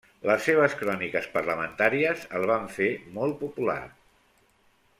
Les seves cròniques parlamentàries el van fer molt popular.